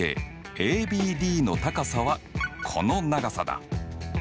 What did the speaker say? ＡＢＤの高さはこの長さだ。